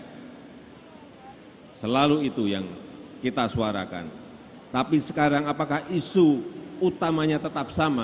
hai selalu itu yang kita suarakan tapi sekarang apakah isu utamanya tetap sama